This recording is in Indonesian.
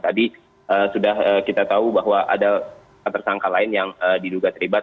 tadi sudah kita tahu bahwa ada tersangka lain yang diduga terlibat